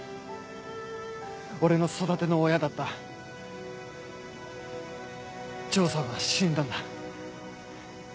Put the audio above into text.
俺の育ての親だった丈さんは死んだんだ。